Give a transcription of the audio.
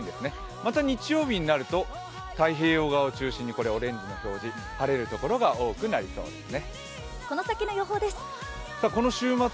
また日曜日になると太平洋側を中心にオレンジの表示、晴れる所が多くなりそうですね。